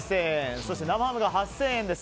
そして生ハムが８０００円です。